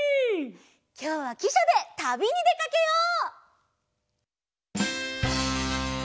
きょうはきしゃでたびにでかけよう！